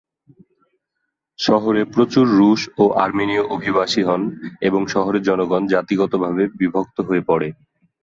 শহরে প্রচুর রুশ ও আর্মেনীয় অভিবাসী হন এবং শহরের জনগণ জাতিগতভাবে বিভক্ত হয়ে পড়ে।